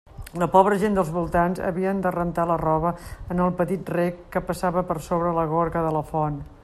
La pobra gent dels voltants havien de rentar la roba en el petit rec que passava per sobre la gorga de la font.